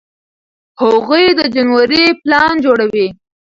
هغوی د جنورۍ پلان جوړوي.